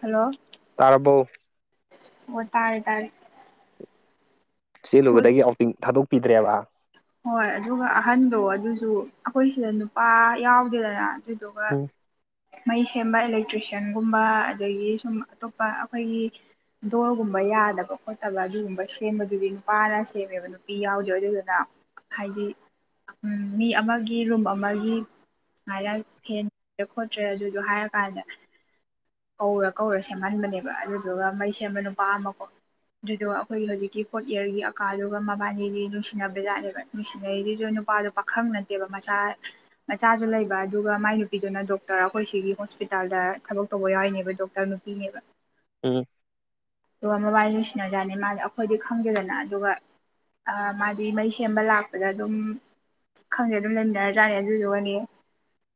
hello ꯇꯥꯔꯔꯕꯣ ꯑꯣ ꯇꯥꯜ ꯇꯥꯜ ꯆꯦꯜꯂꯨꯕꯗꯒꯤ ꯑꯥꯎꯇꯤꯡ ꯊꯥꯗꯣꯛꯄꯤꯗ꯭ꯔꯦꯕ ꯍꯣꯏ ꯑꯗꯨꯒ ꯑꯍꯟꯗꯣ ꯑꯗꯨꯁꯨ ꯑꯩꯈꯣꯏ ꯁꯤꯗ ꯅꯨꯄꯥ ꯌꯥꯎꯗꯦꯗꯅ ꯑꯗꯨ ꯑꯗꯨꯒꯒ ꯎꯝ ꯃꯩ ꯁꯦꯝꯕ ꯑꯦꯂꯦꯛꯇ꯭ꯔꯤꯁꯤꯌꯥꯟꯒꯨꯝꯕ ꯑꯗꯒꯤ ꯁꯨꯝ ꯑꯇꯣꯞꯄ ꯑꯩꯈꯣꯏꯒꯤ ꯗꯣꯜꯒꯨꯝꯕ ꯌꯥꯗꯕ ꯈꯣꯠꯇꯕ ꯑꯗꯨꯒꯨꯝꯕ ꯁꯦꯝꯕꯗꯨꯗꯤ ꯅꯨꯄꯥꯅ ꯁꯦꯝꯃꯦꯕ ꯅꯨꯄꯤ ꯌꯥꯎꯗꯦ ꯑꯗꯨꯗꯨꯅ ꯍꯥꯏꯗꯤ ꯃꯤ ꯑꯃꯒꯤ ꯔꯨꯝ ꯑꯃꯒꯤ ꯁꯃꯥꯏꯔ ꯍꯦꯟꯗ꯭ꯔꯦ ꯈꯣꯠꯇ꯭ꯔꯦ ꯑꯗꯨꯁꯨ ꯍꯥꯏꯔꯀꯥꯟꯗ ꯀꯧꯔ ꯀꯧꯔ ꯁꯦꯝꯍꯟꯕꯅꯦꯕ ꯑꯗꯨꯗꯨꯒ ꯃꯩ ꯁꯦꯝꯕ ꯅꯨꯄꯥ ꯑꯃꯀꯣ ꯑꯗꯨꯗ ꯑꯩꯈꯣꯏꯒꯤ ꯍꯧꯖꯤꯛꯀꯤ ꯐꯣꯔꯠ ꯏꯌꯥꯔꯒꯤ ꯑꯀꯥꯗꯨꯒ ꯃꯕꯥꯅꯤꯗꯤ ꯅꯨꯡꯁꯤꯅꯕꯖꯥꯠꯅꯦꯦꯕ ꯅꯨꯡꯁꯤꯅꯔꯤꯗꯨꯁꯨ ꯅꯨꯄꯥꯗꯨ ꯄꯥꯈꯪ ꯅꯠꯇꯦꯕ ꯃꯆꯥ ꯃꯆꯥꯁꯨ ꯂꯩꯕ ꯑꯗꯨꯒ ꯃꯥꯏ ꯅꯨꯄꯤꯗꯨꯅ ꯗꯣꯛꯇꯔ ꯑꯩꯈꯣꯏ ꯁꯤꯒꯤ ꯍꯣꯁꯄꯤꯇꯥꯜꯗ ꯊꯕꯛ ꯇꯧꯕ ꯌꯥꯎꯔꯤꯅꯦꯕ ꯗꯣꯛꯇꯔ ꯅꯨꯄꯤꯅꯦꯕ ꯎꯝ ꯑꯗꯨꯒ ꯃꯣꯕꯥꯏꯜ ꯂꯣꯏꯁꯤꯟꯅꯖꯥꯠꯅꯤ ꯃꯥꯗꯤ ꯑꯩꯈꯣꯏꯗꯤ ꯈꯪꯗꯦꯗꯅ ꯑꯗꯨꯒ ꯑ ꯃꯥꯗꯤ ꯃꯩ ꯁꯦꯝꯕ ꯂꯥꯛꯄꯗ ꯑꯗꯨꯝ ꯈꯪꯗꯦ ꯑꯗꯨꯝ ꯂꯩꯃꯤꯟꯅꯔꯖꯥꯠꯅꯦ ꯑꯗꯨꯗꯨꯒꯅꯦ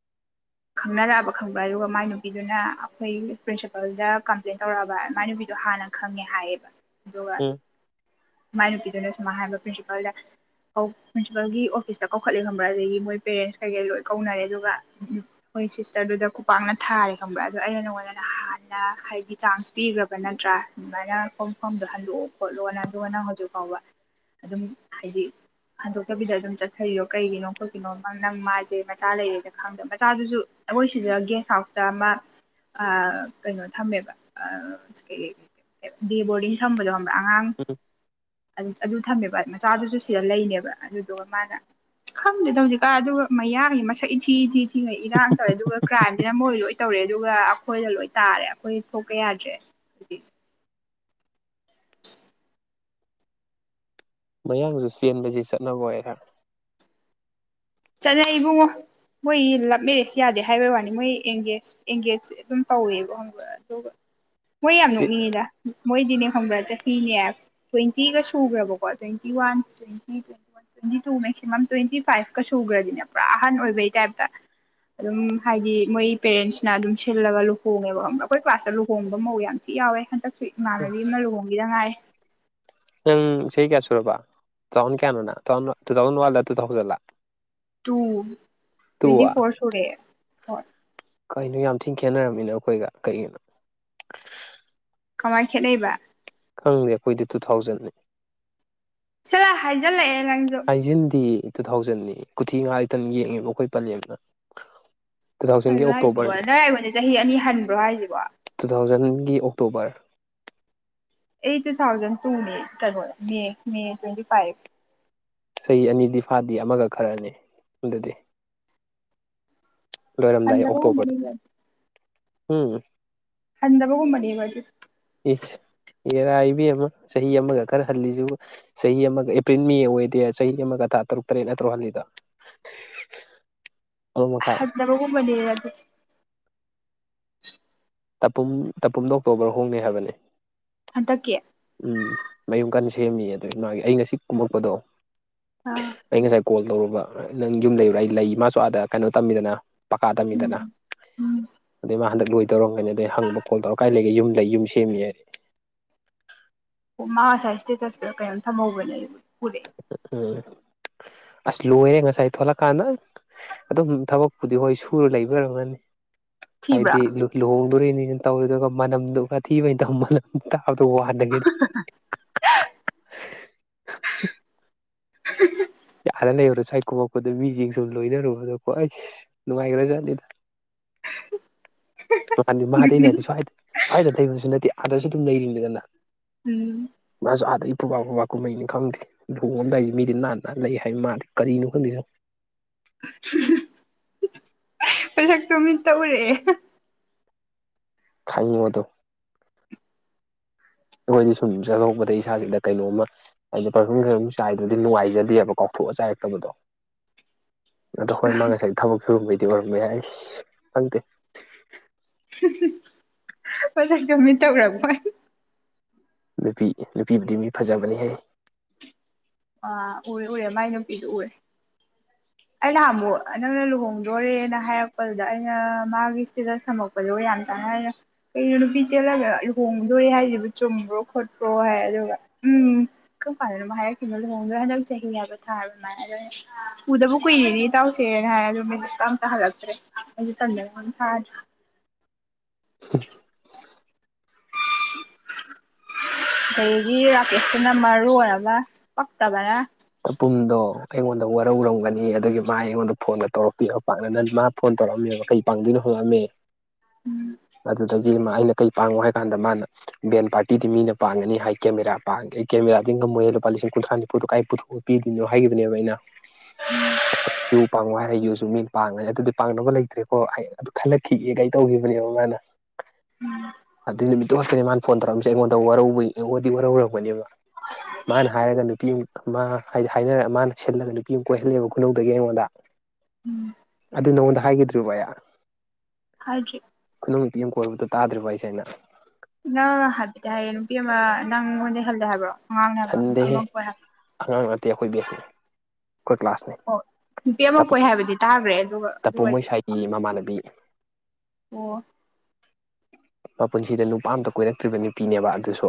[unintelligible] ꯈꯪꯅꯔꯛꯑꯕ ꯈꯪꯕ꯭ꯔꯥ ꯑꯗꯨꯒ ꯃꯥꯏ ꯅꯨꯄꯤꯗꯨꯅ ꯑꯩꯈꯣꯏ ꯄ꯭ꯔꯤꯟꯁꯤꯄꯜꯗ ꯀꯝꯄ꯭ꯂꯦꯟ ꯇꯧꯔꯛꯑꯕ ꯃꯥꯏ ꯅꯨꯄꯤꯗꯣ ꯍꯥꯟꯅ ꯈꯪꯉꯦ ꯍꯥꯏꯌꯦꯕ ꯑꯗꯨꯒ ꯎꯝ ꯃꯥꯏ ꯅꯨꯄꯤꯗꯨꯅ ꯁꯨꯃꯥꯏ ꯍꯥꯏꯥꯟꯕ ꯄ꯭ꯔꯤꯟꯁꯤꯄꯜꯗ ꯄ꯭ꯔꯤꯟꯁꯤꯄꯥꯜꯒꯤ ꯑꯣꯐꯤꯁꯇ ꯀꯧꯈꯠꯂꯦ ꯈꯪꯕ꯭ꯔꯥ ꯑꯗꯒꯤ ꯃꯣꯏ ꯄꯦꯔꯦꯟꯁ ꯀꯩꯀꯩ ꯂꯣꯏ ꯀꯧꯅꯔꯦ ꯑꯗꯨꯒ ꯅꯣꯏ ꯁꯤꯁꯇꯔꯗꯨꯗ ꯈꯨꯄꯥꯛꯅ ꯊꯥꯔꯦ ꯈꯪꯕ꯭ꯔꯥ ꯑꯗꯣ ꯑꯩꯅ ꯅꯉꯣꯟꯗꯅ ꯍꯥꯟꯅ ꯍꯥꯏꯗꯤ ꯆꯥꯟꯁ ꯄꯤꯈ꯭ꯔꯕ ꯅꯠꯇ꯭ꯔꯥ ꯑꯗꯨꯃꯥꯏꯅ ꯈꯣꯡ ꯈꯝꯗꯣ ꯍꯜꯂꯛꯑꯣ ꯈꯣꯠꯂꯣꯑꯣꯅ ꯑꯗꯨꯅ ꯍꯧꯖꯤꯛ ꯐꯥꯎꯕ ꯑꯗꯨꯝ ꯍꯥꯏꯗꯤ ꯍꯟꯗꯣꯛꯇꯕꯤꯗ ꯑꯗꯨꯝ ꯆꯠꯊꯔꯤꯌꯣ ꯀꯩꯒꯤꯅꯣ ꯈꯣꯠꯒꯤꯅꯣ ꯅ ꯅꯪ ꯃꯥꯁꯦ ꯃꯆꯥ ꯂꯩꯔꯦꯅ ꯈꯪꯗ ꯃꯆꯥꯗꯨꯁꯨ ꯑꯩꯈꯣꯏ ꯁꯤꯗ ꯒꯦꯁ ꯍꯥꯎꯁꯇ ꯑꯃ ꯑ ꯀꯩꯅꯣ ꯊꯝꯃꯦꯕꯩ ꯂꯩꯦ ꯗꯦ ꯕꯣꯔꯗꯤꯡ ꯊꯝꯕꯗꯣ ꯉꯝꯕ꯭ꯔꯥ ꯑꯉꯥꯡ ꯎꯝ ꯊꯝꯃꯦꯕ ꯃꯆꯥꯗꯨꯁꯨ ꯁꯤꯗ ꯂꯩꯅꯦꯕ ꯑꯗꯨꯗꯨꯒ ꯃꯥꯅ ꯈꯪꯗꯦ ꯇꯧꯁꯤꯀꯥ ꯑꯗꯨꯒ ꯃꯌꯥꯒꯤ ꯃꯁꯛ ꯏꯊꯤ ꯏꯊꯤ ꯊꯤꯉꯩ ꯏꯔꯥꯡ ꯇꯧꯋꯦ ꯑꯗꯨꯒ ꯀ꯭ꯔꯥꯏꯝ ꯁꯤꯅ ꯃꯣꯏ ꯂꯣꯏ ꯇꯧꯔꯦ ꯑꯗꯨꯒ ꯑꯩꯈꯣꯏꯗ ꯂꯣꯏ ꯇꯥꯔꯦ ꯑꯩꯈꯣꯏ ꯊꯣꯛꯄ ꯌꯥꯗ꯭ꯔꯦ ꯍꯧꯗꯤ ꯃꯌꯥꯡꯁꯨ ꯆꯦꯟꯕꯁꯤ ꯆꯠꯅꯕ ꯑꯣꯏꯔꯦ ꯆꯠꯂ ꯏꯕꯨꯡꯉꯣ ꯃꯣꯏ ꯂꯞ ꯃꯦꯔꯦꯖ ꯌꯥꯗꯦ ꯍꯥꯏꯕꯩ ꯋꯥꯅꯤ ꯃꯣꯏ ꯑꯦꯡꯒꯦꯖ ꯑꯦꯡꯒꯦꯖꯁꯦ ꯑꯗꯨꯝ ꯇꯧꯋꯦꯕ ꯑꯗꯨꯒ ꯍꯣꯏ ꯌꯥꯝ ꯅꯣꯛꯅꯤꯡꯉꯤꯗ ꯃꯣꯏꯗꯤꯅꯦ ꯈꯪꯕ꯭ꯔꯥ ꯆꯍꯤꯅꯦ ꯇ꯭ꯋꯦꯟꯇꯤꯒ ꯁꯨꯈ꯭ꯔꯕꯀꯣ ꯇ꯭ꯋꯦꯟꯇꯤ ꯋꯥꯟ ꯇ꯭ꯋꯦꯟꯇꯤ ꯇ꯭ꯋꯦꯟꯇꯤ ꯋꯥ ꯇ꯭ꯋꯦꯟꯇꯤ ꯇ ꯃꯁꯤꯃꯝ ꯇ꯭ꯋꯦꯟꯇꯤ ꯐꯥꯏꯚꯀ ꯁꯨꯈ꯭ꯔꯗꯤꯅꯦ ꯄꯨꯔꯥ ꯑꯍꯟ ꯑꯣꯏꯕꯩ ꯇꯥꯏꯞꯇ ꯑꯗꯨꯝ ꯍꯥꯏꯗꯤ ꯃꯣꯏ ꯄꯦꯔꯦꯟꯁꯅ ꯑꯗꯨꯝ ꯁꯤꯜꯂꯒ ꯂꯨꯍꯣꯡꯉꯦꯕ ꯑꯩꯈꯣꯏ ꯀ꯭ꯂꯥꯁꯇ ꯂꯨꯍꯣꯡꯕ ꯃꯧ ꯌꯥꯝ ꯊꯤꯅ ꯌꯥꯎꯋꯦ ꯍꯟꯗꯛꯁꯨ ꯏꯃꯥꯟꯅꯕꯤ ꯑꯃꯅ ꯂꯨꯍꯣꯡꯒꯤꯗ ꯉꯥꯏ ꯎꯪ ꯁꯤ ꯀꯌꯥ ꯁꯨꯔꯕ ꯇꯨ ꯊꯥꯎꯖꯟ ꯀꯌꯥꯅꯣꯅꯟ ꯇꯨ ꯊꯥꯎꯖꯟ ꯋꯥꯟꯂ ꯇꯨ ꯊꯥꯎꯖꯟꯂ ꯇꯨ ꯇꯨ ꯇ꯭ꯋꯦꯟꯤ ꯑ ꯐꯣꯔ ꯁꯣꯔꯦ ꯍ ꯀꯩꯅꯣ ꯌꯥꯝ ꯊꯤꯅ ꯈꯦꯠꯅꯔꯝꯃꯤꯅ ꯑꯩꯈꯣꯏꯒ ꯀꯩꯒꯤꯅꯣ ꯀꯃꯥꯏꯅ ꯈꯦꯠꯅꯩꯕ ꯈꯪꯗꯦ ꯑꯩꯈꯣꯏꯗꯤ ꯇꯨ ꯊꯥꯎꯖꯟꯅꯤ ꯆꯂ ꯍꯥꯏꯖꯠꯂꯦ ꯑꯥꯏꯖꯤꯟꯗꯤ ꯇꯨ ꯊꯥꯎꯖꯟꯅꯤ ꯀꯨꯊꯤ ꯉꯥ ꯇꯪ ꯌꯦꯡꯉꯦꯕ ꯑꯩꯈꯣꯏ ꯄꯜꯂꯤꯕꯅ ꯀꯩꯅꯣ ꯍꯥꯏꯁꯤꯕꯣ ꯅꯔ ꯑꯩꯈꯣꯟꯅꯦ ꯆꯍꯤ ꯑꯅꯤ ꯍꯟꯕ꯭ꯔꯣ ꯍꯥꯏꯁꯤꯕꯣ ꯒꯤ ꯑꯣꯛꯇꯣꯕꯔ ꯇꯨ ꯊꯥꯎꯖꯟ ꯇ ꯃ ꯇ꯭ꯋꯦꯟ ꯐꯚ ꯆꯍꯤ ꯑꯅꯤꯗꯤ ꯐꯥꯗꯦ ꯑꯃꯒ ꯈꯔꯅꯤ ꯑꯗꯨꯗꯤ ꯂꯣꯏꯔꯝꯗꯏ ꯑꯣꯛꯇꯣꯕꯔ ꯍꯟꯗꯕꯒꯨꯝꯕꯅꯦꯕ ꯎꯝ ꯍꯟꯗꯕꯒꯨꯝꯕꯅꯤꯕ ꯌꯦꯁ ꯏꯔꯥꯏ ꯏꯕꯤ ꯑꯃ ꯆꯍꯤ ꯑꯃꯒ ꯈꯔ ꯍꯜꯂꯤꯁꯤꯕꯨ ꯆꯍꯤ ꯑꯃꯒ ꯑꯦꯄ꯭ꯔꯤꯜ ꯃꯤ ꯑꯣꯏꯗꯦ ꯆꯍꯤ ꯑꯃꯒ ꯊꯥ ꯇꯔꯨꯛ ꯇꯔꯦꯠꯅ ꯇꯔꯨꯛ ꯍꯅꯤꯗ ꯍꯕꯒꯨꯝꯃꯅꯤ ꯌꯥꯗ ꯇ ꯇꯄꯨꯝꯗ ꯑꯣꯛꯇꯣꯕꯔ ꯍꯣꯡꯅꯤꯦ ꯍꯥꯏꯕꯅꯤ ꯍ ꯇ ꯀꯦ ꯎꯝ ꯃꯌꯨꯝ ꯀꯟꯅ ꯁꯦꯝꯃꯤ ꯑꯗꯨ ꯃꯥꯒꯤ ꯑꯩ ꯉꯁꯤ ꯀꯨꯝꯃꯛꯄꯗꯣ ꯑꯥ ꯑꯩ ꯉꯁꯥꯏ ꯀꯣꯜ ꯇꯧꯔꯨꯕ ꯅꯪ ꯌꯨꯝ ꯂꯩꯔꯥ ꯑꯩ ꯂꯩ ꯃꯥꯁꯨ ꯑꯥꯗ ꯀꯩꯅꯣ ꯇꯝꯃꯤꯗꯅ ꯄꯀꯥ ꯇꯝꯃꯤꯗꯅ ꯎꯝ ꯎꯝ ꯑꯗꯨꯗꯩ ꯃꯥ ꯍꯟꯗꯛ ꯂꯣꯏ ꯇꯧꯔꯝ ꯀꯅꯤ ꯑꯗꯩ ꯍꯪꯕ ꯀꯣꯜ ꯇꯧꯔ ꯀꯥꯏ ꯂꯩꯒꯦ ꯌꯨꯝ ꯂꯩ ꯌꯨꯝ ꯁꯦꯝꯃꯤ ꯍꯥꯏꯗꯤ ꯑꯣ ꯃꯥ ꯉꯁꯥꯏ ꯏꯁꯇꯦꯇꯁꯇꯗ ꯀꯩꯝ ꯊꯝꯍꯧꯕꯕꯅꯦ ꯑꯩꯦ ꯎꯝ ꯑꯁ ꯂꯣꯏꯔꯦ ꯉꯁꯥꯏ ꯑꯩ ꯊ ꯊꯣꯛꯂꯛ ꯀꯥꯟꯅ ꯑꯗꯨꯝ ꯊꯕꯛꯄꯨꯗꯤ ꯍꯣꯏ ꯁꯨꯔ ꯂꯩꯕꯔꯝꯒꯅꯤ ꯊꯤꯕ꯭ꯔꯥ ꯍꯥꯏꯗꯤ ꯂꯨꯍꯣꯡꯗꯣꯔꯤꯅꯤꯅ ꯇꯧꯔꯤꯗꯨꯒ ꯃꯅꯝꯗꯨꯒꯊꯤꯕꯩꯅ ꯇ ꯃꯅꯝ ꯑꯗ ꯋꯥꯔ ꯅꯒꯦꯅ [unintelligible] ꯌꯥꯔ ꯂꯩꯔꯨꯔꯣ ꯆꯥꯏꯀꯣꯃꯛꯄꯗ ꯃꯤꯁꯤꯡ ꯁꯨꯝ ꯂꯣꯏꯅꯔꯨꯕ ꯑꯗꯣꯀꯣ ꯑꯩꯁ ꯅꯨꯡꯉꯥꯏꯈ꯭ꯔꯖꯠꯅꯤꯗ [unintelligible] ꯃꯥꯥꯟꯗꯤ ꯃꯥꯗꯤꯩꯅ ꯍꯥꯏꯗꯦ ꯁ꯭ꯋꯥꯏꯗ ꯁ꯭ꯋꯥꯏꯗ ꯂꯩꯕꯁꯨ ꯅꯠꯇꯦ ꯑꯥꯗꯁꯨ ꯑꯗꯨꯝ ꯂꯩꯔꯤꯅꯤꯗꯅ ꯎꯝ ꯁꯨ ꯌꯥꯗ ꯄꯨꯕꯕꯥ ꯕꯕꯥ ꯀꯨꯝꯍꯩꯅꯤ ꯈꯪꯗꯦ ꯂꯨꯣꯡꯉꯝꯗꯥꯏꯁꯦ ꯃꯤꯗꯤ ꯅꯥꯟꯅ ꯅꯥ ꯂꯩ ꯍꯥꯏꯕ ꯃꯥꯗꯤ ꯀꯔꯤꯅꯣ ꯈꯪꯗꯣꯏꯅꯣ [unintelligible] [unintelligible] ꯃꯊꯛꯇꯣ ꯃꯤ ꯇ ꯎꯔꯦ ꯈꯥꯏ ꯌꯗ ꯑꯩꯈꯣꯏꯗꯤ ꯁꯨꯝ ꯆꯠꯊꯣꯛꯄꯗ ꯏꯁꯥꯁꯤꯗ ꯀꯩꯅꯣꯝꯃ ꯍꯥꯏꯗꯤ ꯄꯔꯐ꯭ꯌꯨꯝ ꯈꯔ ꯆꯥꯏꯗ꯭ꯔꯗꯤ ꯅꯨꯡꯉꯥꯏꯖꯗꯦꯕ ꯀꯥꯎꯊꯣꯛ ꯄꯠ ꯆꯥꯏꯔꯛꯇꯕꯗꯣ ꯑꯗꯣ ꯍꯣꯏ ꯃꯥ ꯉꯁꯥꯏ ꯊꯕꯛ ꯁꯤꯨꯔꯨꯝꯕꯩꯗꯤ ꯑꯣꯏꯔꯝꯕ ꯌꯥꯏ ꯑꯩꯁ ꯈꯪꯗꯦ [unintelligible] ꯐꯖꯥꯏ ꯀꯃꯤꯠ ꯇꯧꯔꯕꯣꯏ ꯅꯨꯄꯤ ꯅꯨꯄꯤꯕꯨꯗꯤ ꯃꯤ ꯐꯖꯕꯅꯤ ꯍꯥꯏ ꯑꯥ ꯎꯔꯦ ꯎꯔꯦ ꯃꯥꯏ ꯅꯨꯄꯤꯗꯨ ꯎꯔꯦ ꯑꯩ ꯅꯍ ꯑꯃꯨ ꯅꯪꯅ ꯂꯨꯍꯣꯡꯗꯣꯔꯦꯅ ꯍꯥꯏꯔꯛꯄꯗꯨꯗ ꯑꯩꯅ ꯃꯥꯒꯤ ꯏꯁꯇꯦꯇꯁ ꯊꯝꯃꯛꯄꯗꯣ ꯌꯥꯝ ꯆꯥꯟꯅꯔꯅ ꯀꯣ ꯅꯨꯄꯤ ꯆꯦꯜꯂꯒ ꯂꯨꯍꯣꯡꯗꯣꯔꯦ ꯍꯥꯏꯁꯤꯕꯨ ꯆꯨꯝꯕ꯭ꯔꯣ ꯈꯣꯠꯄ꯭ꯔꯣ ꯍꯥꯏ ꯑꯗꯨꯒ ꯎꯝ ꯀꯔꯥꯗꯅꯨ ꯍꯥꯏꯔꯛꯈꯤꯕꯅꯣ ꯂꯨꯍꯣꯡꯗꯣꯏ ꯍꯟꯗꯛ ꯆꯍꯤ ꯍꯥꯏꯕ ꯊꯥꯕ ꯀꯨꯏꯔꯤꯅꯤ ꯏꯇꯥꯎꯁꯦꯅ ꯍꯥꯏꯗ ꯃꯤꯗꯨ ꯑꯝꯇ ꯍꯜꯂꯛꯇ꯭ꯔꯦ ꯑꯩꯗꯤ ꯇꯝꯗ ꯊꯥꯗ꯭ꯔꯦ [unintelligible] ꯑꯗꯒꯤ ꯔꯥꯀꯦꯁꯇꯨꯅ ꯃꯔꯨ ꯑꯣꯏꯒ ꯄꯛꯇꯕꯅ ꯇꯄꯨꯝꯗꯣ ꯑꯩꯉꯣꯟꯗ ꯋꯥꯔꯧꯔꯝꯒꯅꯤ ꯑꯗꯒꯤ ꯃꯥ ꯑꯩꯉꯣꯟꯗ ꯐꯣꯟꯒ ꯇꯧꯔꯛꯇꯣꯏꯕ ꯄꯥꯛꯅ ꯅ ꯃꯥ ꯐꯣꯟ ꯇꯧꯔꯝꯃꯦꯕꯩ ꯄꯥꯡꯣꯏꯣ ꯑ ꯑꯩꯅ ꯀꯩ ꯄꯥꯡꯉꯣ ꯍꯥꯏꯀꯥꯟꯗ ꯃꯥꯅ ꯕꯦꯟ ꯄꯥꯔꯇꯤꯗꯤ ꯃꯤꯅ ꯄꯥꯡꯉꯅꯤ ꯍꯥꯏ ꯀꯦꯃꯦꯔꯥ ꯄꯥꯡ ꯃꯣꯏꯜ ꯄ ꯀ ꯁꯥꯟ ꯀꯥꯏ ꯄꯨꯊ ꯄꯤꯗꯣꯏꯅꯣ ꯍꯥꯏꯈꯤꯕꯅꯦꯕ ꯑꯩꯅꯨ ꯄ ꯑꯩꯒꯤꯁꯨ ꯃꯤ ꯄꯥꯡꯉꯅꯤ ꯑꯗꯨꯗꯤ ꯄꯥꯡꯅꯕ ꯂꯩꯇ꯭ꯔꯦꯀꯣ ꯑꯩ ꯑꯗꯨ ꯈꯜꯂꯛꯈꯤꯑꯦ ꯀꯩ ꯇꯧꯈꯤꯕꯅꯦꯕ ꯃꯥꯅ ꯑꯗꯨ ꯅꯨꯃꯤꯠꯇꯨ ꯈꯛꯇꯅꯤ ꯃꯥꯅ ꯐꯣꯟ ꯇꯧꯔꯛꯝꯃꯤꯁꯦ ꯑꯩꯉꯣꯟꯗ ꯋꯥꯔꯧꯕ ꯑꯩꯗꯤ ꯋꯥꯔꯧꯔꯄꯅꯦꯕ ꯃꯥꯅ ꯍꯥꯏꯔꯒ ꯅꯨꯄꯤꯗꯤ ꯍꯥꯏꯅꯔ ꯃꯥꯅ ꯁꯤꯜꯂꯒ ꯅꯨꯄꯤ ꯄꯨ ꯀꯣꯏꯍꯜꯂꯦꯕ ꯈꯨꯅꯧꯗꯒꯤ ꯑꯩꯉꯣꯟꯗ ꯑꯗꯨ ꯅꯉꯣꯟꯗ ꯍꯥꯏꯈꯤꯗ꯭ꯔꯤꯕ ꯚꯌꯥ ꯍꯥꯏꯖꯤ ꯅꯨꯄꯤ ꯑꯃ ꯀꯣꯏꯕꯗꯣ ꯇꯥꯗ꯭ꯔꯤꯕ ꯑꯩꯁꯦ ꯑꯩꯅ ꯅꯪ ꯍꯥꯏꯐꯗꯤ ꯍꯥꯏꯌꯦ ꯅꯨꯄꯤ ꯑꯃ ꯅꯪꯉꯣꯟꯗ ꯈꯜꯂꯦ ꯍꯥꯏꯕ꯭ꯔꯣ ꯍ ꯍꯟꯗꯦꯍꯦ ꯑꯃꯃ ꯑꯉꯥꯡ ꯅꯠꯇꯦ ꯑꯩꯈꯣꯏ ꯕꯦꯁꯅꯦ ꯑꯩꯈꯣꯏ ꯀ꯭ꯂꯥꯁꯅꯦ ꯑꯣ ꯅꯨꯄꯤ ꯑꯃ ꯇꯄꯨ ꯀꯣꯏ ꯍꯥꯏꯕꯗꯤ ꯇꯥꯈ꯭ꯔꯦ ꯑꯗꯨꯒ ꯇꯄꯨ ꯑꯗꯨ ꯑꯩꯗꯗꯤ ꯃꯣꯏꯁꯥꯏꯒꯤ ꯈꯪꯗꯦ ꯃꯃꯥꯟꯅꯕꯤ ꯑꯣ ꯃꯄꯨꯟꯁꯤꯗ ꯅꯨꯄꯥ ꯑꯝꯇ ꯀꯣꯏꯔꯛꯇ꯭ꯔꯤꯕ ꯅꯨꯄꯤꯅꯦꯕ ꯑꯗꯨꯁꯨ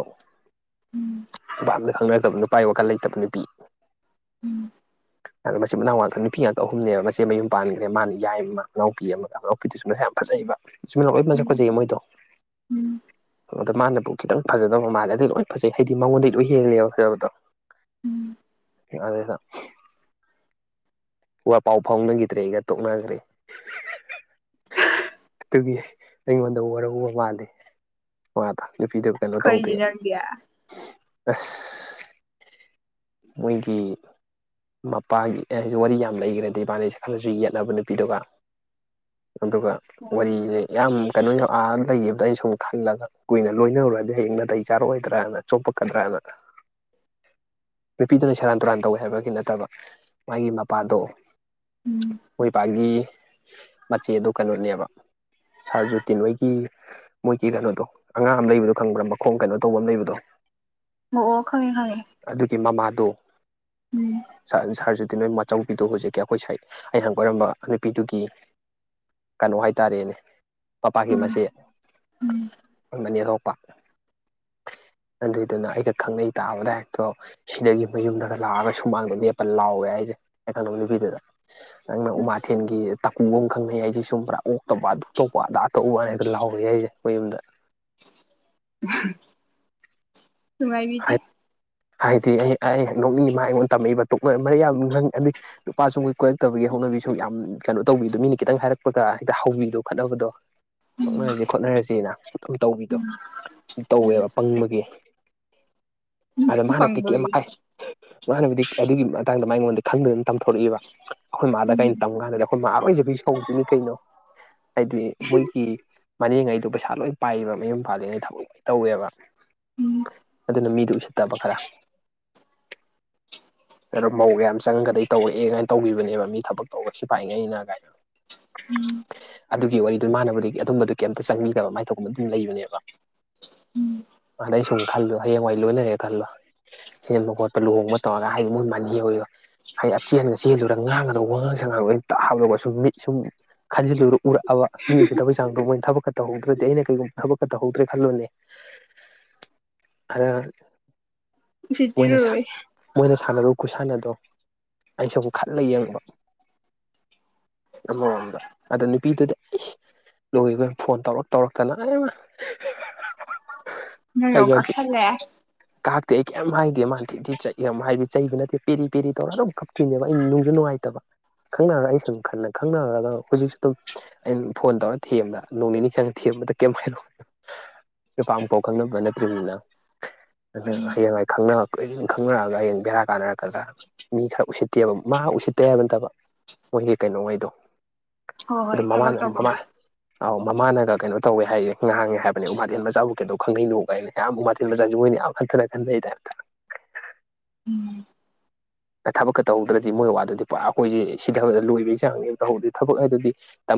ꯎꯝ ꯅꯨꯚꯞꯅ ꯈꯪꯅꯔꯛꯇꯕ ꯅꯨꯄꯥ ꯋꯥꯈꯜ ꯂꯩꯇꯕ ꯅꯨꯄꯤ ꯎꯝ ꯃꯆꯤꯟ ꯃꯅꯥꯎꯥꯛꯛꯇ ꯅꯨꯄꯤ ꯉꯥꯛꯇ ꯑꯍꯨꯝꯅꯦꯕ ꯃꯆꯦ ꯃꯌꯨꯝ ꯄꯥꯟꯈ꯭ꯔꯦ ꯃꯥꯅ ꯌꯥꯏ ꯑꯃ ꯉꯉꯥꯎꯄꯤ ꯑꯃꯒ ꯉꯉꯎꯄꯤꯗꯨꯁꯨ ꯃꯁ ꯌꯥꯝ ꯐ ꯐꯖꯩꯕ ꯆꯤꯟꯃꯤꯅꯥꯎ ꯂꯣꯏꯅꯁꯨ ꯎꯝ ꯈꯠꯩꯌꯦ ꯃꯣꯏꯗꯣ ꯎꯝ ꯑꯗꯣ ꯃꯥꯅꯕꯨ ꯈꯤꯇꯪ ꯐꯖꯗꯕ ꯃꯥꯜꯂꯦ ꯑꯗꯨꯩ ꯂꯣꯏ ꯐꯖꯩ ꯍꯥꯏꯗꯤ ꯃꯉꯣꯟꯗꯒꯤꯩ ꯂꯣꯏ ꯍꯦꯜꯂꯦꯕ ꯍꯥꯏꯔꯕꯗꯣ ꯎꯝ ꯑꯗꯦꯗ ꯋꯥ ꯄꯥꯎ ꯐꯥꯎꯅꯈꯤꯗ꯭ꯔꯦ ꯑꯩꯒ ꯇꯣꯛꯅꯈ꯭ꯔꯦ ꯑꯗꯨꯒꯤ ꯑꯩꯉꯣꯟꯗ ꯋꯥꯔꯕ ꯃꯥꯗꯦ ꯅꯨꯄꯤꯗꯨꯕ ꯀꯩꯅꯣ ꯇꯧꯗꯦ ꯀꯩꯒꯤ ꯅꯪꯗꯤ ꯑꯁ ꯃꯣꯏꯒꯤ ꯃꯄꯥꯒꯤ ꯋꯥꯔꯤ ꯌꯥꯝ ꯂꯩꯈ꯭ꯔꯗꯤ ꯏꯕꯥꯅꯤꯁꯦ ꯈꯜꯂꯁꯨ ꯌꯦꯠꯂꯅꯕ ꯅꯨꯄꯤꯗꯨꯒ ꯑꯗꯨꯒ ꯋꯥꯔꯤꯁꯦ ꯌꯥꯝ ꯀꯩꯅꯣ ꯌꯧ ꯂꯩꯕꯗ ꯑꯩ ꯁꯨꯝ ꯈꯜꯂꯒ ꯀꯨꯏꯅ ꯂꯣꯏꯅꯔꯨꯔꯗꯤ ꯍꯌꯦꯡ ꯅꯥꯇꯩ ꯆꯥꯔꯛꯑꯣꯏꯗ꯭ꯔꯥꯅ ꯆꯣꯄꯛꯀꯗ꯭ꯔꯥꯅ ꯅꯨꯄꯤꯗꯨꯅ ꯁꯦꯔꯥꯟ ꯇꯨꯔꯥꯟ ꯇꯧꯋꯦ ꯍꯥꯏꯕꯒꯤ ꯅꯠꯇꯕ ꯃꯥꯒꯤ ꯃꯄꯥꯗꯣ ꯎꯝ ꯃꯣꯏꯄꯥꯛꯒꯤ ꯃꯆꯦ ꯑꯗꯨ ꯀꯩꯅꯣꯅꯦꯕ ꯁꯥꯔꯖꯨꯇꯤ ꯍꯣꯏꯒꯤ ꯃꯣꯏꯒꯤ ꯀꯩꯅꯣꯗꯣ ꯑꯉꯥꯡ ꯑꯃ ꯂꯩꯕꯗꯣ ꯈꯪꯕ꯭ꯔ ꯃꯈꯣꯡ ꯀꯩꯅꯣ ꯇꯧꯕ ꯑꯃ ꯂꯩꯕꯗꯣ [inaudible] ꯑꯣ ꯈꯣꯏ ꯈꯅꯤ ꯑꯗꯨꯒꯤ ꯃꯃꯥꯗꯣ ꯁꯥꯔꯖꯨꯗꯤ ꯅꯣꯏ ꯑꯆꯧꯕꯤꯗꯨ ꯍꯧꯖꯤꯛꯀꯤ ꯑꯩꯈꯣꯏ ꯁꯥꯏ ꯑꯩꯅ ꯍꯪꯕ ꯑꯣꯏꯔꯝꯕ ꯅꯨꯄꯤꯗꯨꯒꯤ ꯀꯩꯅꯣ ꯍꯥꯏꯇꯥꯔꯦꯅꯦ ꯄꯄꯥꯛꯀꯤ ꯎꯝ ꯃ ꯎꯝ ꯃꯅꯤ ꯊꯣꯛꯣꯛꯄ ꯑꯗꯨꯏꯗꯨꯅ ꯑꯩꯒ ꯈꯪꯅꯩ ꯇꯥꯕꯗꯥꯏ ꯍꯒꯤ ꯃꯌꯨꯝꯗꯒ ꯂꯥꯛꯑꯒ ꯁꯨꯃꯥꯡꯗ ꯂꯦꯞꯄ ꯂꯥꯎꯋꯦ ꯍꯥꯏꯁꯅꯣ ꯅꯨꯄꯤꯗꯨꯗ ꯑꯁ ꯎꯃꯥꯊꯦꯟꯒꯤ ꯇꯀꯨꯒ ꯑꯃ ꯈꯪꯅ ꯌꯥꯏꯁꯦ ꯁꯨꯝ ꯄꯨꯔꯥ ꯑꯣꯛꯇꯣꯄ ꯑ ꯑꯗꯨ ꯇꯣꯞꯄ ꯑꯗꯥ ꯑ ꯇꯛꯎ ꯋꯥ ꯍꯥꯏꯅꯒ ꯂꯥꯎꯔ ꯌꯥꯏꯁꯦ ꯑꯩꯣꯏ ꯌꯨꯝꯗ [inaudible] ꯅꯨꯡꯉꯥꯏ ꯕꯤꯗꯤ ꯍꯥꯏꯗꯤ ꯑꯩ ꯑꯩ ꯅꯣꯛꯅꯤꯡꯃ ꯑꯩꯉꯣꯟꯗ ꯇꯝꯃꯛꯏꯕ ꯇꯣꯛ ꯌꯥꯝ ꯅꯪ ꯑꯩ ꯅꯨꯄꯥꯁꯨ ꯃꯣꯏ ꯀꯣꯏꯔꯛꯇꯕꯒꯤ ꯍꯧꯅꯕꯤꯁꯨ ꯌꯥꯝ ꯀꯩꯅꯣ ꯇꯧꯕꯤꯗꯣ ꯃꯤꯅ ꯈꯤꯇꯪ ꯍꯥꯏꯔꯛꯄꯒ ꯁꯤꯗ ꯍꯧꯕꯤꯗꯣ ꯈꯠꯅꯕꯗꯣ ꯅꯔꯁꯤ ꯈꯣꯠꯅꯔꯁꯤꯅ ꯑꯗꯨꯝ ꯇꯧꯕꯤꯗꯣ ꯑꯗꯨ ꯇꯧꯋꯦꯕ ꯄꯪꯕꯒꯤ ꯑꯗ ꯃꯥꯅꯛꯇꯤ ꯀꯦ ꯑꯃ ꯐꯪꯕꯒꯤ ꯍꯥꯏ ꯃꯥꯅꯅꯕꯗꯤ ꯑꯗꯨꯒꯤ ꯃꯇꯥꯡꯗ ꯃꯉꯣꯟꯗ ꯈꯪꯕ ꯑꯗꯨꯝ ꯇꯝꯊꯣꯔꯛꯏꯕ ꯑꯩꯈꯣꯏ ꯃꯥꯗ ꯀꯥꯏꯩꯅ ꯇꯝ ꯀꯥꯟꯗꯗꯤ ꯑꯩꯈꯣꯏ ꯃꯥꯔꯣꯏꯖꯕꯤ ꯁ ꯍꯧꯗꯣꯏꯅꯤ ꯀꯩꯅꯣ ꯍꯥꯏꯗꯤ ꯃꯣꯏꯒꯤ ꯃꯅꯤꯡꯉꯩꯗꯣ ꯄꯩꯁꯥ ꯂꯣꯏ ꯄꯥꯏꯌꯦꯕ ꯃꯌꯨꯝ ꯄꯥꯜꯂꯤꯉꯩ ꯊꯕꯛ ꯂꯣꯏ ꯇꯧꯋꯦꯕ ꯎꯝ ꯑꯗꯨꯅ ꯃꯤꯗꯨ ꯎꯁꯤꯠꯇꯕ ꯈꯔ ꯀꯣ ꯃꯧꯔꯦ ꯌꯥꯝ ꯆꯪꯉꯒꯗꯩ ꯇꯧꯔꯛꯑꯦ ꯀꯥꯏꯅ ꯇꯧꯕꯤꯈꯤꯕꯅꯦꯕ ꯃꯤ ꯊꯕꯛ ꯇꯧꯕꯔꯒ ꯁꯤ ꯄꯥꯏꯉꯩ ꯑꯩꯅ ꯀꯥꯏꯅ ꯎꯝ ꯑꯗꯨꯒꯤ ꯋꯥꯔꯤꯗꯨ ꯃꯥꯟꯅꯕꯗꯒꯤ ꯑꯗꯨꯝꯕꯗꯨ ꯀꯩꯝꯇ ꯆꯪꯕꯤꯗꯕ ꯃꯥꯏ ꯇꯧꯒꯨꯝꯕ ꯑꯗꯨꯝ ꯂꯩꯕꯅꯦꯕ ꯑꯗꯩ ꯁꯨꯝ ꯈꯜꯂꯣ ꯍꯌꯦꯡꯋꯥꯏ ꯂꯣꯏꯅꯅꯦ ꯈꯜꯂꯣ ꯁꯦꯝꯕ ꯈꯣꯠꯄ ꯂꯨꯍꯣꯡꯕ ꯇꯧꯔꯒ ꯍꯥꯏꯁꯦ ꯃꯣꯏ ꯃꯒꯤꯧꯤꯣ ꯍꯥꯏꯗꯤ ꯑꯆꯦꯜꯂꯒ ꯆꯦꯜꯂꯨꯔꯒ ꯉꯥꯡꯒꯗꯕ ꯋꯥꯉꯥꯡ ꯁꯉꯥꯡ ꯂꯣꯏ ꯇꯥꯍꯗꯒ ꯁꯨꯝ ꯃꯤꯠ ꯁꯨꯝ ꯈꯜꯖꯤꯜꯂ ꯎꯔꯛꯑꯕ ꯃꯤꯏꯁꯤꯗꯕꯒꯤ ꯆꯥꯡꯗꯣ ꯃꯣꯏꯅ ꯊꯕꯛ ꯈ ꯇꯧꯍꯧꯗ꯭ꯔꯗꯤ ꯑꯩꯅ ꯀꯩꯒꯨꯝꯕ ꯊꯕꯛ ꯈ ꯇꯍꯧꯗ꯭ꯔꯦ ꯈꯜꯂꯅꯦ [inaudible] ꯑꯗ ꯎꯁꯤꯠ ꯃꯣꯏꯅ ꯄꯤꯔꯨꯔꯣꯏ ꯃꯣꯏꯅ ꯁꯥꯟꯅꯔꯨ ꯈꯨꯠꯁꯥꯟꯅꯗꯣ ꯑꯩꯅ ꯁꯨꯝ ꯈꯠꯂ ꯌꯦꯡꯕ ꯑꯃꯔꯣꯝꯗ ꯑꯗ ꯅꯨꯄꯤꯗꯨꯗ ꯂꯣꯏꯕꯣꯏ ꯐꯣꯟ ꯇꯧꯔ ꯇꯧꯔꯛꯀꯅ ꯅꯅꯣ ꯀꯛꯁꯜꯂꯦ ꯀꯥꯛꯇꯦ ꯑꯩ ꯀꯩꯝ ꯍꯥꯏꯗꯦ ꯃꯥꯥꯟꯅꯗꯤꯦꯗꯤ ꯆ ꯍꯥꯏꯗꯤ ꯆꯩꯕ ꯅꯠꯇꯦ ꯄꯦꯔꯤ ꯄꯦꯔꯤ ꯇꯧꯔꯒ ꯑꯗꯨꯝ ꯀꯞꯇꯣꯏꯅꯦꯕ ꯑꯩ ꯅꯨꯡꯁꯨ ꯅꯨꯡꯉꯥꯏꯇꯦ [unintelligible] ꯈꯪꯅꯔꯒ ꯑꯩ ꯁ ꯑꯗꯨꯨꯝ ꯈꯟꯅ ꯈꯪꯅꯔꯒ ꯍꯧꯖꯤꯛꯁꯨ ꯑꯗꯨꯝ ꯑꯩꯅ ꯐꯣꯟ ꯇꯧꯔꯒ ꯊꯦꯝꯕꯗ ꯅꯣꯡ ꯅꯤꯅꯤ ꯆꯪꯉꯒ ꯊꯦꯝꯕ ꯀꯅꯣ ꯅꯨꯄꯥꯝꯄꯣꯛ ꯈꯪꯅꯕ ꯅꯠꯇ꯭ꯔꯤꯕꯅꯤꯅ ꯑꯗꯨ ꯍꯌꯦꯡꯋꯥꯪ ꯈꯪꯅꯔꯛꯑꯒ ꯍꯌꯦꯡ ꯕꯦꯔꯥ ꯀꯥꯟꯅꯔꯛꯀꯗ꯭ꯔꯥ ꯃꯤ ꯈꯔ ꯎꯁꯤꯠꯇꯦꯕ ꯃꯥ ꯎꯁꯤꯠꯇꯦ ꯍꯥꯏꯕ ꯅꯠꯇꯕ ꯃꯣꯏꯒꯤ ꯀꯩꯅꯣꯉꯩꯗꯣ ꯍꯣꯏ ꯍꯣꯏ ꯑꯗꯨꯗ ꯊꯕꯛ ꯃꯃꯥꯅꯦ ꯃꯃꯥ ꯇꯧꯕꯒꯤ ꯑ ꯃꯃꯥꯅꯒ ꯀꯩꯅꯣ ꯇꯧꯋꯦ ꯍꯥꯏꯁꯦꯍꯥꯡꯉ ꯍꯥꯏꯕ ꯃꯊꯦꯜ ꯃꯆꯥꯕꯨ ꯀꯩꯗꯣ ꯈꯪꯅꯩꯅꯣꯒꯥꯏꯅ ꯌꯥꯝ ꯆꯣꯏꯅꯤꯗꯨꯔ ꯀ ꯊꯕꯛꯀ ꯇꯧꯍꯧꯗ꯭ꯔꯗꯤ ꯃꯣꯏ ꯋꯥꯗꯨꯗꯤ ꯄꯨꯔꯥ ꯑꯩꯈꯣꯏꯁꯦ ꯁꯤꯊꯕꯗ ꯂꯣꯏꯕꯒꯤ ꯆꯥꯡꯅꯦ ꯇꯧꯍꯧꯗꯗꯤ ꯊꯕꯛ ꯍꯥꯏꯗꯨꯗꯤ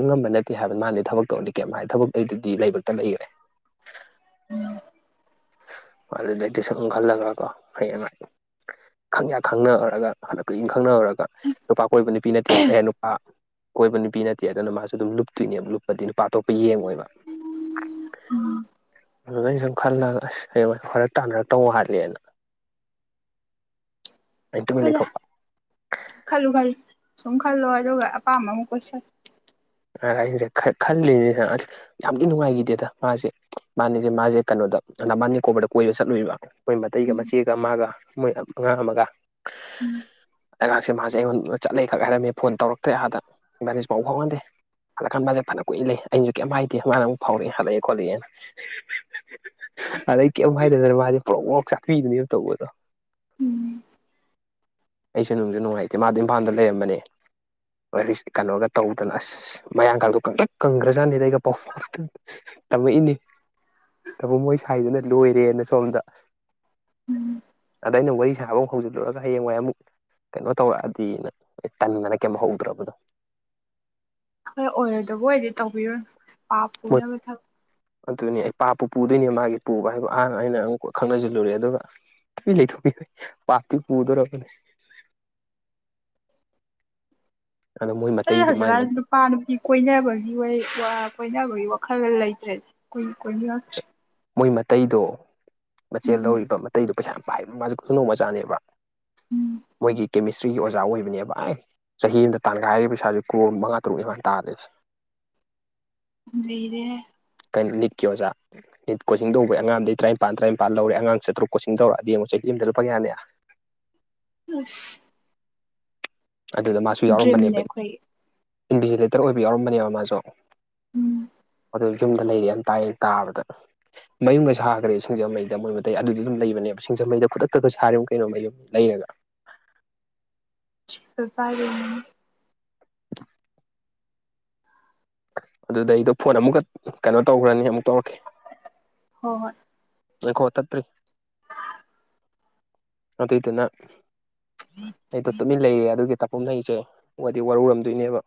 ꯉꯝꯕ ꯅꯠꯇꯦ ꯍꯥꯏꯕ ꯃꯥ ꯊꯕꯛ ꯇꯧꯔꯅꯤ ꯀꯩ ꯊꯕꯛꯗꯨꯗꯤ ꯂꯩꯕꯛꯇ ꯂꯩꯈ꯭ꯔꯦ ꯃꯥꯗꯤ ꯁꯨꯝꯜꯂꯒꯀꯣ ꯍ ꯈꯪꯌꯥ ꯈꯪꯅꯍꯔꯒ ꯍꯟꯗꯛ ꯀꯨꯏꯅ ꯈꯪꯅꯍꯔꯒ ꯅꯨꯄꯥ ꯀꯣꯏꯕ ꯅꯨꯄꯤ ꯅꯠꯇꯦ ꯑꯌꯥ ꯅꯨꯄꯥ ꯀꯣꯏꯕ ꯅꯨꯄꯤ ꯅꯠꯇꯦ ꯑꯗꯨꯅ ꯃꯥꯁꯨ ꯑꯗꯨꯝ ꯂꯨꯞꯇꯣꯏꯅꯦ ꯂꯨꯞꯄꯗꯤ ꯅꯨꯄꯥ ꯑꯇꯣꯞꯄ ꯌꯦꯡꯉꯣꯏꯕ ꯁ ꯈꯜ ꯂꯒ ꯑꯁ ꯍꯌꯦꯡ ꯍꯔ ꯇꯥꯟꯅꯔꯛꯇꯧ ꯍꯥꯂꯦꯅ ꯍꯖ ꯈꯜꯣ ꯈꯜ ꯁꯨꯝ ꯈꯜꯂꯣ ꯑꯗꯨꯒ ꯑꯄꯥꯝꯕ ꯑꯃꯨꯛ ꯀꯣꯏꯁꯜꯂ ꯑꯩꯁꯦ ꯈꯜꯂꯤꯅꯤ ꯑꯁ ꯌꯥꯝꯗꯤ ꯅꯨꯡꯉꯥꯏꯈꯤꯗꯦꯗ ꯃꯥꯁꯦ ꯃꯥꯅꯤꯁꯦ ꯃꯥꯁꯦ ꯀꯩꯅꯣꯗ ꯅꯕꯥꯅꯤꯀꯣꯗ ꯀꯣꯏꯕ ꯆꯠꯂꯨꯕ ꯃꯣꯏ ꯃꯇꯩꯒ ꯃꯆꯦꯒ ꯑꯃꯒ ꯃꯣꯏ ꯑꯉꯥꯡ ꯑꯃꯒ ꯑꯩꯍꯥꯛꯁꯦ ꯃꯥꯁꯦ ꯑꯩꯉꯣꯟꯗ ꯆꯠꯂꯩ ꯈꯛ ꯍꯥꯏꯔꯝꯃꯤ ꯐꯣꯟ ꯇꯧꯔꯛꯇ꯭ꯔꯦ ꯑꯥꯗ ꯏꯁꯦ ꯄꯥꯎ ꯐꯥꯎꯍꯟꯗꯦ ꯍꯜꯂꯛꯀꯥꯟ ꯃꯥꯁꯦ ꯐꯅ ꯀꯨꯏ ꯂꯩꯦ ꯑꯩꯩꯅꯁꯨ ꯀꯩꯝꯥꯏꯗꯦ ꯃꯥꯅ ꯑꯃꯨꯛ ꯐꯥꯎꯛꯦ ꯍꯜꯂꯛꯑꯦ ꯈꯣꯠꯂꯛꯑꯦꯅ ꯑꯗꯩ ꯀꯩꯝ ꯍꯥꯏꯗꯗꯅ ꯃꯥꯁꯦ ꯄꯣꯔꯣꯛ ꯃꯣꯔꯣꯛ ꯆꯥꯛꯄꯤꯗꯨꯅꯦꯕ ꯇꯧꯕꯗꯣ [inaudible] ꯑꯩꯁꯨ ꯅꯨꯡꯁꯨ ꯅꯨꯡꯉꯥꯏꯇꯦ ꯃꯥꯗ ꯏꯝꯐꯥꯜꯗ ꯂꯩꯔꯝꯕꯅꯦ ꯀꯩꯅꯣꯒ ꯇꯧꯗꯅ ꯑꯁ ꯃꯌꯥꯡꯒꯥꯗ ꯀ ꯀꯪꯈ꯭ꯔꯖꯥꯠꯅꯤꯗ ꯑꯩꯒ ꯄꯥꯎ ꯐ ꯇꯝꯃꯛꯏꯅꯦ ꯇꯕꯨꯣ ꯃꯣꯏ ꯁꯥꯏꯗꯨꯅ ꯂꯣꯏꯔꯦꯅ ꯁꯣꯝꯗ ꯑꯗ ꯑꯩꯅ ꯋꯥꯔꯤ ꯁꯥꯕ ꯑꯃ ꯍꯧꯖꯤꯜꯂꯛꯑꯒ ꯍꯌꯦꯡꯋꯥꯏꯃꯨꯛ ꯀꯩꯅꯣ ꯇꯧꯔꯛꯑꯗꯤ ꯇꯗꯅ ꯀꯩꯝ ꯍꯧꯗ꯭ꯔꯕꯗꯣ ꯍꯣꯏ ꯑꯣꯏꯔꯣꯏꯗꯕꯨ ꯑꯣꯏꯗꯤ ꯇꯧꯕꯤꯔꯣ ꯄꯥ ꯃꯣꯏ ꯄꯨꯨꯅꯕ ꯊꯛ ꯑꯗꯨꯅꯤ ꯑꯩ ꯄꯥꯛꯄꯨ ꯄꯨꯗꯣꯏꯅꯦ ꯃꯥꯒꯤ ꯄꯨꯕ ꯍꯥꯏꯕ ꯑꯍꯥꯡ ꯑꯩꯅ ꯑꯃꯨꯛꯀ ꯈꯪꯅꯁꯤꯜꯂꯨꯔꯦ ꯑꯗꯨꯒ ꯇ ꯂꯩ ꯊ ꯄꯇ ꯄꯨꯗꯔꯕ ꯑꯩ ꯃꯥꯏ ꯍꯧꯖꯤꯛꯀꯥꯟ ꯅꯨꯄꯥ ꯅꯨꯄꯤ ꯀꯣꯏꯅꯕꯒꯤ ꯀꯣꯏꯅꯕꯒꯤ ꯈꯕꯔ ꯂꯥꯏꯇ꯭ꯔꯦꯣꯏꯣꯏ ꯃꯣꯏ ꯃꯇꯩꯗꯣ ꯃꯆꯦꯜ ꯂꯧꯔꯤꯕ ꯃꯇꯩꯗꯣ ꯄꯩꯁꯥ ꯌꯥꯝ ꯄꯥꯏꯗꯅ ꯃꯥꯁꯦ ꯈꯨ ꯅꯣꯡ ꯃꯆꯥꯅꯦꯕ ꯎꯝ ꯃꯣꯏꯒꯤ ꯀꯦꯃꯤꯁꯇ꯭ꯔꯤꯒꯤ ꯑꯣꯖꯥ ꯑꯣꯏꯕꯅꯦꯕ ꯑꯩ ꯆꯍꯤ ꯑꯃꯗ ꯇꯥꯟꯒꯥꯏ ꯍꯥꯏꯔꯤꯕ ꯄꯩꯁꯥꯥꯁꯦ ꯀꯨ ꯃꯉꯥ ꯇꯔꯨꯛ ꯏꯃꯥꯟ ꯇꯥꯗ꯭ꯔꯦꯁꯦ ꯂꯩꯩꯔꯦ ꯅꯌꯖ ꯀꯣꯤꯡ ꯇꯧꯕꯩ ꯑꯉꯗ ꯇꯔꯥꯅꯤꯄ ꯇꯔꯥꯅꯤꯄꯜ ꯂꯧꯔꯦꯉꯥꯡ ꯆꯇꯨꯛ ꯀꯣꯤꯡ ꯇꯧꯔꯑꯗꯤꯡꯨꯛ ꯆꯍꯤ ꯑꯃ ꯂꯨꯄ ꯌꯥꯅꯤ [inaudible] ꯑꯁ ꯑꯗꯨꯗ ꯃꯥꯁꯨ ꯗ꯭ꯔꯤꯝꯅꯦ ꯌꯥꯎꯔꯝꯕꯅꯦꯕ ꯑꯩꯈꯣꯏꯒꯤ ꯏꯟꯚꯤꯖꯤꯂꯦꯇꯔ ꯑꯣꯏꯕ ꯌꯥꯎꯔꯝꯕꯅꯦꯕ ꯃꯥꯁꯨ ꯎꯝ ꯑꯗꯨ ꯌꯨꯝꯗ ꯂꯩꯔꯤ ꯌꯥꯝ ꯇꯥꯏꯌꯦ ꯇꯥꯕꯗ ꯃꯌꯨꯝꯒ ꯁꯥꯈ꯭ꯔꯦ ꯁꯤꯡꯖꯃꯩꯗ ꯃꯣꯏ ꯃꯇꯩ ꯑꯗꯨꯗꯤ ꯑꯗꯨꯝ ꯂꯩꯕꯅꯦꯕ ꯁꯤꯡꯖꯃꯩꯗ ꯈꯨꯗꯛꯇꯛꯒ ꯁꯥꯔꯤꯕ ꯀꯩꯅꯣ ꯃꯌꯨꯝ ꯂꯩ ꯍꯥꯏ [unintelligible] ꯑꯗꯨꯗ ꯑꯩꯗꯣ ꯐꯣꯟ ꯑꯃꯨꯛꯀ ꯀꯩꯅꯣ ꯇꯧꯈ꯭ꯔꯅꯤ ꯑꯃꯨꯛ ꯇꯧꯔꯛꯀꯦ ꯍꯣꯏ ꯍꯣꯏ ꯑꯩꯣ ꯇ ꯐꯔꯤ ꯑꯗꯨꯏꯗꯨꯅ ꯑꯩꯗꯣ ꯇꯨꯃꯤꯟ ꯂꯩꯌꯦ ꯑꯗꯨꯒꯤ ꯀꯨꯝꯅꯩꯁꯦ ꯃꯗꯤ ꯋꯥꯔꯧꯔꯝꯗꯣꯏꯅꯦꯕ